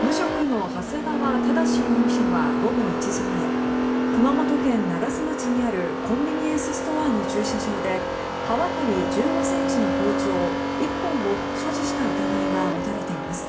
無職の長谷川正容疑者は午後１時前熊本県長洲町にあるコンビニエンスストアの駐車場で刃渡り１５ｃｍの包丁１本を所持した疑いが持たれています。